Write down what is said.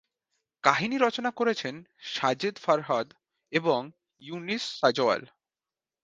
কাহিনী রচনা করেছেন সাজিদ-ফরহাদ এবং ইউনুস সাজোয়াল।